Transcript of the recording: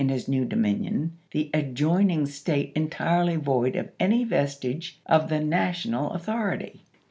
in liis new dominion, the adjoining State entirely void of any vestige of the National authority.